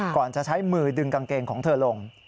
ก่อนจะใช้มือดึงกางเกงของเธอลง